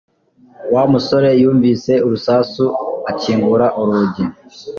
Wa musore yumvise urusasu akingura urugi